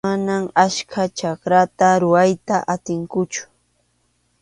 Mana achka chakrata rurayta atinkuchu.